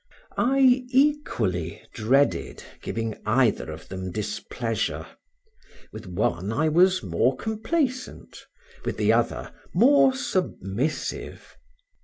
I equally dreaded giving either of them displeasure; with one I was more complaisant; with the other, more submissive.